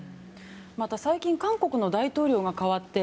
また最近、韓国の大統領が代わって